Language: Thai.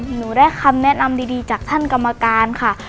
หนูได้คำแนะนำดีจากท่านกรรมการค่ะ